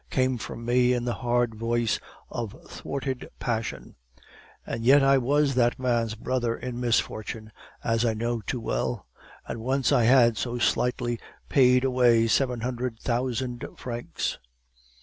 came from me in the hard voice of thwarted passion; and yet I was that man's brother in misfortune, as I knew too well; and once I had so lightly paid away seven hundred thousand francs!